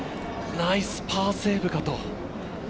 ナイスパーセーブかと。